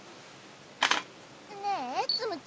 ねえツムちゃん